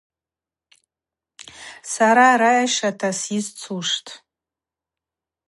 Сара райшата сйызцуштӏ.